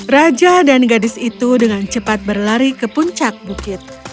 raja dan gadis itu dengan cepat berlari ke puncak bukit